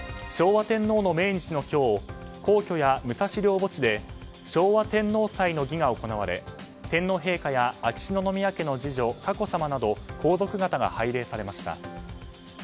昭和天皇の命日の今日皇居や武蔵陵墓地で昭和天皇祭の儀が行われ天皇陛下や秋篠宮家の次女・佳子さまなど皇族方が拝礼されました。